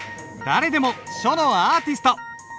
誰でも書のアーティスト。